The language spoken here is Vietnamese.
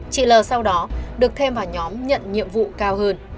chị l sau đó được thêm vào nhóm nhận nhiệm vụ cao hơn